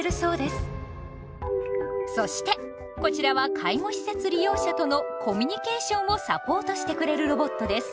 そしてこちらは介護施設利用者とのコミュニケーションをサポートしてくれるロボットです。